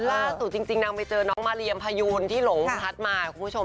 ล่าสุดจริงนางไปเจอน้องมาเรียมพายูนที่หลงพัดมาคุณผู้ชม